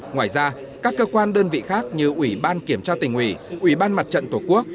ngoài ra các cơ quan đơn vị khác như ủy ban kiểm tra tỉnh ủy ủy ban mặt trận tổ quốc